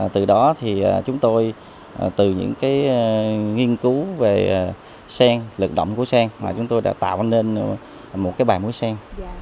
từ đó thì chúng tôi từ những cái nghiên cứu về sen lực động của sen mà chúng tôi đã tạo nên một cái bài mới sen